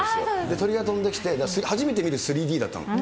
鳥が飛んできて、初めて見る３Ｄだったの。